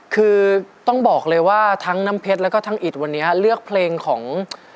คือต้องบอกเลยว่าทั้งน้ำเพชรแล้วก็ทั้งอิดวันนี้เลือกเพลงของ